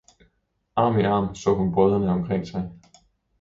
arm i arm så hun brødrene stå omkring sig.